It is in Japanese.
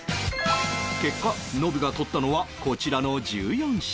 結果ノブが取ったのはこちらの１４品